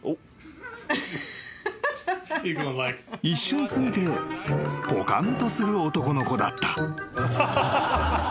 ［一瞬過ぎてぽかんとする男の子だった］